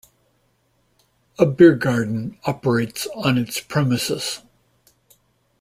A beer garden operates on its premises.